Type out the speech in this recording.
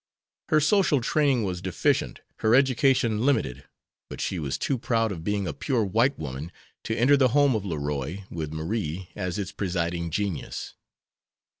Her social training was deficient, her education limited, but she was too proud of being a pure white woman to enter the home of Leroy, with Marie as its presiding genius.